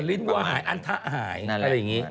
ลิ้นวัวหายอันทะหายอะไรอย่างนี้